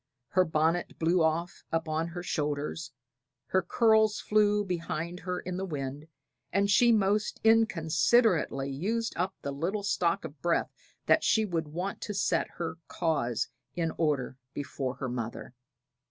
Her bonnet blew off upon her shoulders, her curls flew behind her in the wind, and she most inconsiderately used up the little stock of breath that she would want to set her cause in order before her mother.